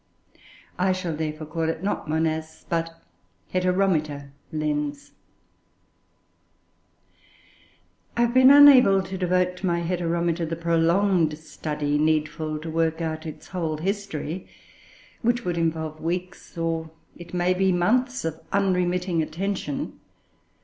I shall, therefore, call it not Monas, but Heteromita lens. I have been unable to devote to my Heteromita the prolonged study needful to work out its whole history, which would involve weeks, or it may be months, of unremitting attention.